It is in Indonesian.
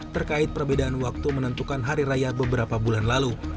terkait perbedaan waktu menentukan hari raya beberapa bulan lalu